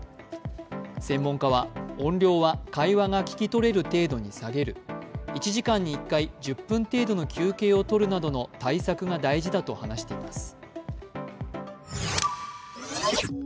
専門家は、音量は会話が聞き取れる程度に下げる、１時間に１回、１０分程度の休憩をとるなどの対策が大事だと話しています。